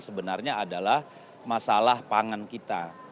sebenarnya adalah masalah pangan kita